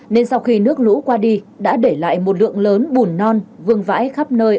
nên sau khi nước lũ qua đi đã để lại một lượng lớn bùn non vương vãi khắp nơi